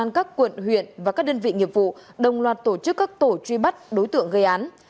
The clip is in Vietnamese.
công an các quận huyện và các đơn vị nghiệp vụ đồng loạt tổ chức các tổ truy bắt đối tượng gây án